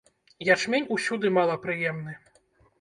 Ячмень усюды мала прыемны.